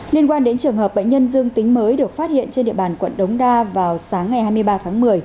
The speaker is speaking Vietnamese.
liên quan đến trường hợp bệnh nhân dương tính mới được phát hiện trên địa bàn quận đống đa vào sáng ngày hai mươi ba tháng một mươi